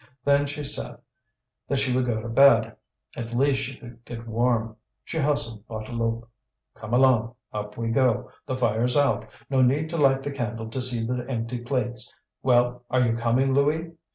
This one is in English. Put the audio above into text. Then she said that she would go to bed. At least she could get warm. She hustled Bouteloup. "Come along, up we go. The fire's out. No need to light the candle to see the empty plates. Well, are you coming, Louis?